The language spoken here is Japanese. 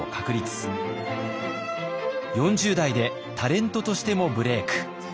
４０代でタレントとしてもブレーク。